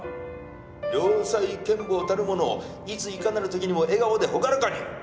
良妻賢母たるものいついかなる時にも笑顔で朗らかに！